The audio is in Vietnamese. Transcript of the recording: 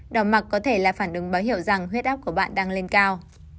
đỏ mặc có thể là phản ứng báo hiệu rằng huyết áp của bạn đang lên cao